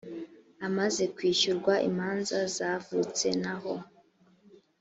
amaze kwishyurwa imanza zavutse n aho